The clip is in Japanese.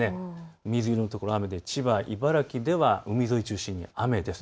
水色の所、雨で千葉、茨城では海沿い中心に雨です。